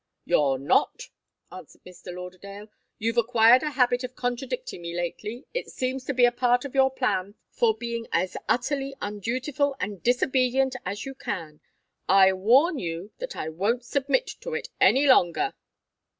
"You're not," answered Mr. Lauderdale. "You've acquired a habit of contradicting me lately. It seems to be a part of your plan for being as utterly undutiful and disobedient as you can. I warn you that I won't submit to it any longer."